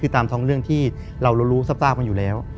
ตามท้องเรื่องที่เรารู้ซับซากมันอยู่แล้ว